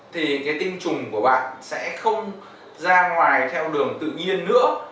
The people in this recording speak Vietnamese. thì cái tinh trùng của bạn sẽ không ra ngoài theo đường tự nhiên nữa